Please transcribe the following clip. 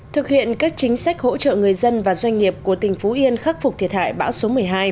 thực hiện các chính sách hỗ trợ người dân và doanh nghiệp của tỉnh phú yên khắc phục thiệt hại bão số một mươi hai